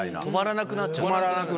止まらなくなっちゃう？